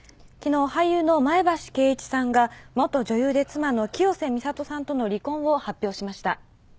昨日俳優の前橋恵一さんが元女優で妻の清瀬みさとさんとの離婚を発表しました。